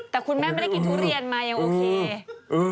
แต่คุณแม่ไม่ได้กินทุเรียนมายังโอเค